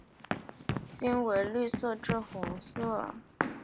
茎为绿色至红色。